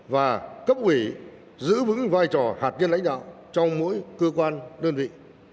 và cấp ủy giữ vững vai trò hạt nhân lãnh đạo trong mỗi cơ quan đơn vị